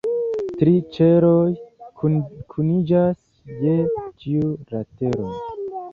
Tri ĉeloj kuniĝas je ĉiu latero.